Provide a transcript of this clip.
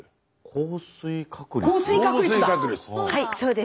降水確率だ！